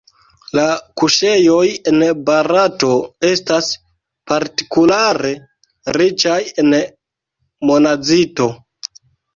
La kuŝejoj en Barato estas partikulare riĉaj en monazito.